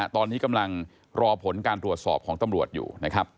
ตอนนี้กำลังรอผลการตรวจสอบของตำรวจอยู่นะครับ